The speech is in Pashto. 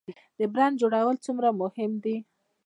د برنډ جوړول څومره مهم دي؟